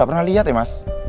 gapernah lihat ya mas